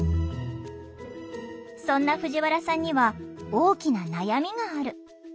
そんな藤原さんには大きな悩みがある。